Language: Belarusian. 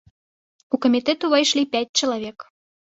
У камітэт увайшлі пяць чалавек.